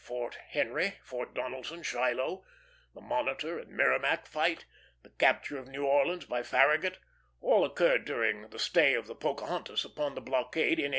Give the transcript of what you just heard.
Fort Henry, Fort Donelson, Shiloh, the Monitor and Merrimac fight, the capture of New Orleans by Farragut, all occurred during the stay of the Pocahontas upon the blockade in 1862.